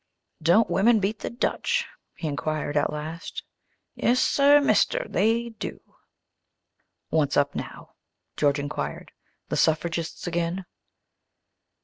"Don't women beat the Dutch?" he inquired at last. "Yes sir, mister; they do!" "What's up now?" George inquired. "The suffragists again?"